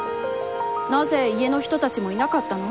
「なぜ、家のひとたちもいなかったの？